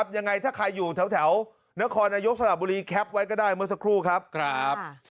ยังไงถ้าใครอยู่แถวนครนายกสระบุรีแคปไว้ก็ได้เมื่อสักครู่ครับ